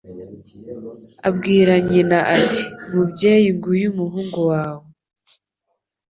abwira nyina ati : «Mubyeyi nguyu umuhungu wawe.»